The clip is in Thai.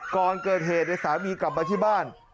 ก่อนเกิดเหตุสามีกลับมาที่บ้าน